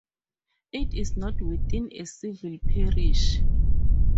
It is not within a civil parish.